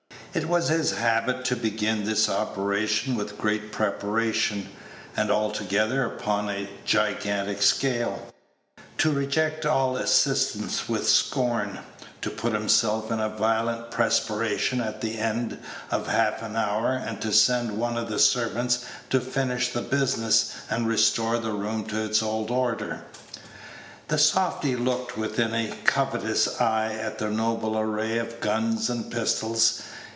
It was his habit to begin this operation with great preparation, and altogether upon a gigantic scale; to reject all assistance with scorn; to put himself in a violent perspiration at the end of half an hour, and to send one of the servants to finish the business, and restore the room to its old order. The softy looked with a covetous eye at the noble array of guns and pistols.